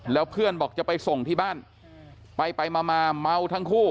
แล้วเพื่อนบอกจะไปส่งที่บ้านไปไปมาเมาทั้งคู่